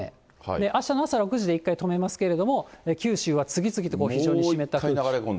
あしたの朝６時で１回止めますけれども、九州は次々と非常に湿った空気。